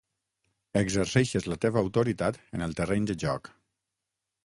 Exerceixes la teva autoritat en el terreny de joc.